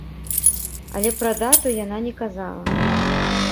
Але пра дату яна не казала.